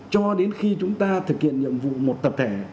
cho đến khi chúng ta thực hiện nhiệm vụ một tập thể